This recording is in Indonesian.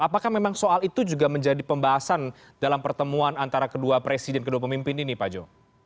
apakah memang soal itu juga menjadi pembahasan dalam pertemuan antara kedua presiden kedua pemimpin ini pak jo